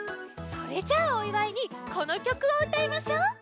それじゃあおいわいにこのきょくをうたいましょう。